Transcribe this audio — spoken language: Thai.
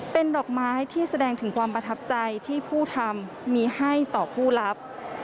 เป็นดอกไม้ที่แสดงถึงความประทับใจที่ผู้ทำมีให้ต่อผู้รับ